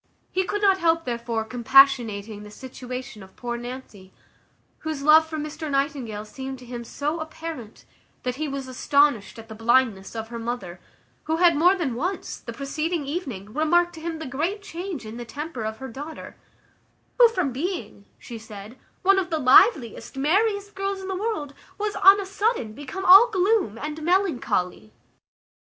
He could not help, therefore, compassionating the situation of poor Nancy, whose love for Mr Nightingale seemed to him so apparent, that he was astonished at the blindness of her mother, who had more than once, the preceding evening, remarked to him the great change in the temper of her daughter, "who from being," she said, "one of the liveliest, merriest girls in the world, was, on a sudden, become all gloom and melancholy."